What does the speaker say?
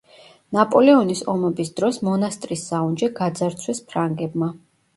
ნაპოლეონის ომების დროს მონასტრის საუნჯე გაძარცვეს ფრანგებმა.